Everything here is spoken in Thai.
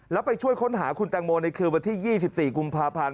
แล้วไปช่วยค้นหาคุณแตงโมในคืนวันที่๒๔กุมภาพันธ์